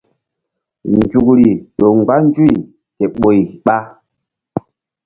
Nzukri ƴo mgba nzuy ke ɓoy ɓa.